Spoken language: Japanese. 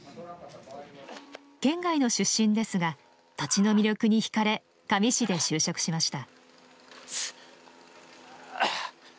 県外の出身ですが土地の魅力に引かれ香美市で就職しました。